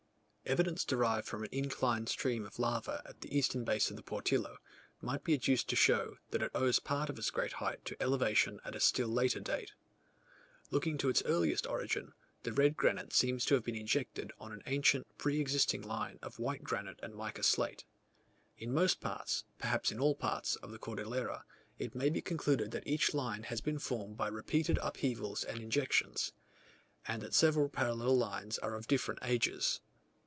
Evidence derived from an inclined stream of lava at the eastern base of the Portillo, might be adduced to show, that it owes part of its great height to elevations of a still later date. Looking to its earliest origin, the red granite seems to have been injected on an ancient pre existing line of white granite and mica slate. In most parts, perhaps in all parts, of the Cordillera, it may be concluded that each line has been formed by repeated upheavals and injections; and that the several parallel lines are of different ages.